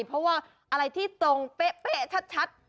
เพราะว่าอะไรที่ตรงเป๊ะชัด